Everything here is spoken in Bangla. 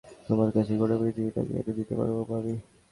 তোমার কাছে গোটা পৃথিবীটাকে এনে দিতে পারবো আমি।